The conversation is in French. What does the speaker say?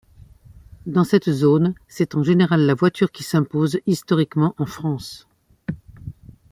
Dans cette zone, c'est en général la voiture qui s'impose historiquement en France.